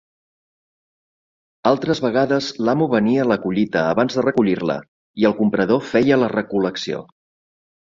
Altres vegades l'amo venia la collita abans de recollir-la i el comprador feia la recol·lecció.